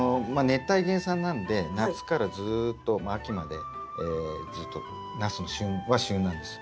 熱帯原産なんで夏からずっと秋までずっとナスの旬は旬なんです。